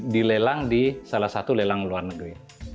dilelang di salah satu lelang luar negeri